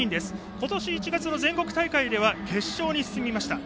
今年１月の全国大会では決勝に進みました。